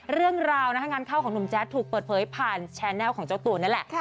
เรื่องราวงานเข้าของหนุ่มแจ๊ดถูกเปิดเผยผ่านแชร์แนลของเจ้าตัวนั่นแหละ